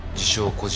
個人